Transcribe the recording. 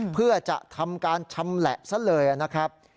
เพื่อจะทำการชำแหละซะเลยนะครับ